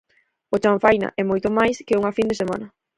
O Chanfaina é moito máis que unha fin de semana.